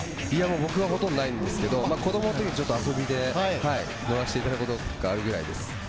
僕はほとんどないんですけど、子供の頃、遊びで乗らせていただいたことがあるくらいです。